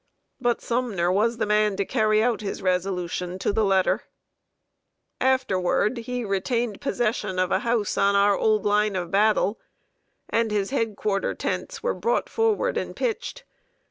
But Sumner was the man to carry out his resolution to the letter. [Sidenote: ORDERED BACK BY MCCLELLAN.] Afterward, he retained possession of a house on our old line of battle; and his head quarter tents were brought forward and pitched.